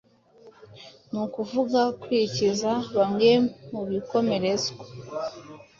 Ni ukuvuga kwikiza bamwe mu bikomerezwa